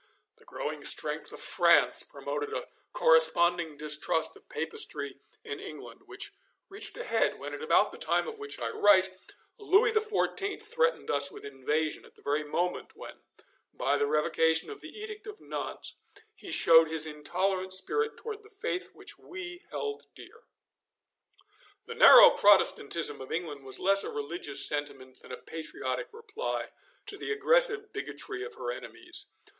The growing strength of France promoted a corresponding distrust of Papistry in England, which reached a head when, at about the time of which I write, Louis XIV. threatened us with invasion at the very moment when, by the revocation of the Edict of Nantes, he showed his intolerant spirit towards the faith which we held dear. The narrow Protestantism of England was less a religious sentiment than a patriotic reply to the aggressive bigotry of her enemies.